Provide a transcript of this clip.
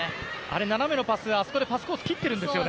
斜めのパスはパスコース切っているんですよね。